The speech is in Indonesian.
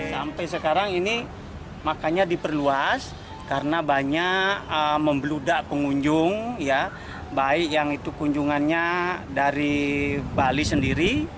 sampai sekarang ini makanya diperluas karena banyak membludak pengunjung baik yang itu kunjungannya dari bali sendiri